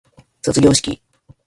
卒業式